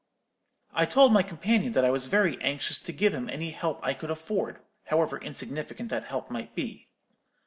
"I told my companion that I was very anxious to give him any help I could afford, however insignificant that help might be.